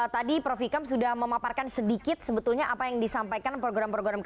tadi prof ikam sudah memaparkan sedikit sebetulnya apa yang disampaikan program program